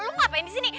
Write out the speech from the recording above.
lo ngapain di sini